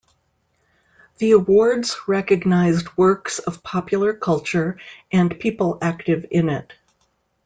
The awards recognised works of popular culture and people active in it.